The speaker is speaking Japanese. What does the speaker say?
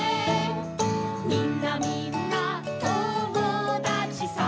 「みんなみんな友だちさ」